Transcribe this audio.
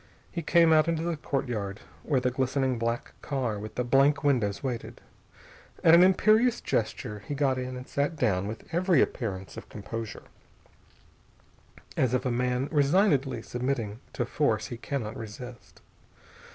He came out into the courtyard, where the glistening black car with the blank windows waited. At an imperious gesture, he got in and sat down with every appearance of composure, as of a man resignedly submitting to force he cannot resist.